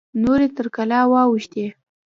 نورې تر کلا واوښتې.